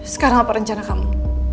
sekarang apa rencana kamu